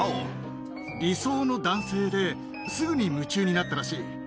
理想の男性で、すぐに夢中になったらしい。